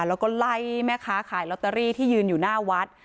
แล้วก็ไล่แม่ค้าขายลอตเตอรี่ที่ยืนอยู่หน้าวัด